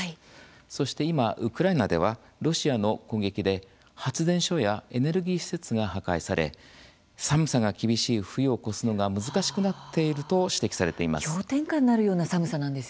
そして、今、ウクライナではロシアの攻撃で発電所やエネルギー施設が破壊され、寒さが厳しい冬を越すのが難しくなっていると指摘されています。